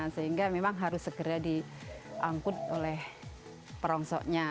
sehingga memang harus segera diangkut oleh perongsoknya